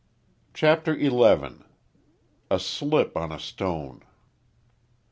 CHAPTER ELEVEN. A SLIP ON A STONE.